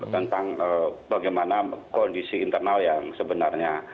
tentang bagaimana kondisi internal yang sebenarnya